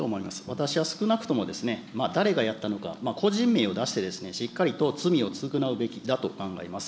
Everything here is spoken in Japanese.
私は少なくともですね、誰がやったのか、個人名を出して、しっかりと罪を償うべきだと考えます。